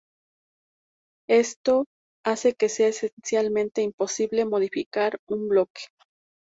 Esto hace que sea esencialmente imposible modificar un bloque.